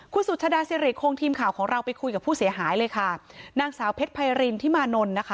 คุณสุชาดาสิริคงทีมข่าวของเราไปคุยกับผู้เสียหายเลยค่ะนางสาวเพชรไพรินทิมานนท์นะคะ